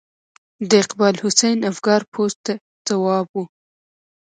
د اقبال حسین افګار پوسټ ته ځواب و.